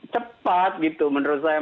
cepat gitu menurut saya